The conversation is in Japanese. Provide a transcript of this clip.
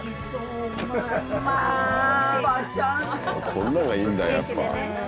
こんなのがいいんだやっぱ。